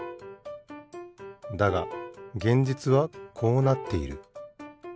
だが現実はこうなっている。